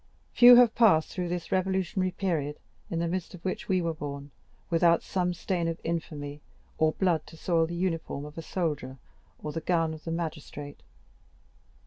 Few have passed through this revolutionary period, in the midst of which we were born, without some stain of infamy or blood to soil the uniform of the soldier, or the gown of the magistrate.